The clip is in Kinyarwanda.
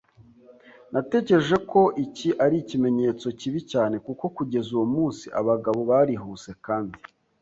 Natekereje ko iki ari ikimenyetso kibi cyane, kuko kugeza uwo munsi abagabo barihuse kandi